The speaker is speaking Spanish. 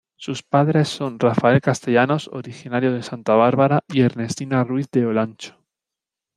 Sus padres son Rafael Castellanos, originario de Santa Bárbara, y Ernestina Ruiz de Olancho.